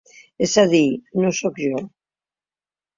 És a dir, no sóc jo.